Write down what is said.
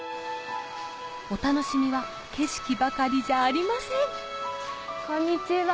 お楽しみは景色ばかりじゃありませんこんにちは。